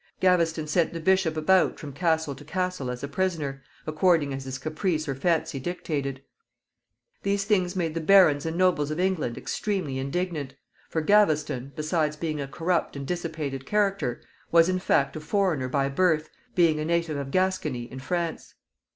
Gaveston sent the bishop about from castle to castle as a prisoner, according as his caprice or fancy dictated. These things made the barons and nobles of England extremely indignant, for Gaveston, besides being a corrupt and dissipated character, was, in fact, a foreigner by birth, being a native of Gascony, in France.